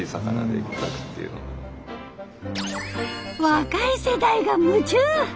若い世代が夢中！